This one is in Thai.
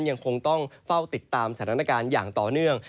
ยังคงต้องเฝ้าติดตามสถานการณ์อย่างต่อเนื่อง